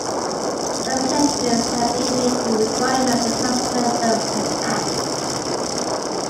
Some exceptions have been made to the requirement of the Passenger Services Act.